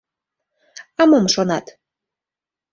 — А мом шонат?